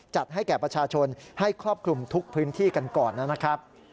จัดให้แก่ประชาชนให้ครอบคลุมทุกพื้นที่กันก่อนนะครับ